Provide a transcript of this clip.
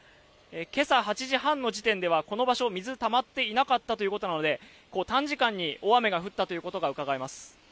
けさ８時半の時点ではこの場所、水、たまっていなかったということなのでこう短時間に大雨が降ったということがうかがえます。